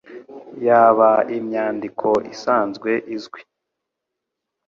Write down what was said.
yaba imyandiko isanzwe izwi